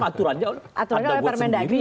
aturannya buat sendiri